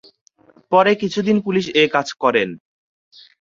পরে কিছু দিন পুলিশ-এ কাজ করেন।